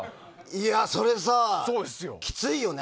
いや、それさきついよね。